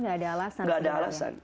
enggak ada alasan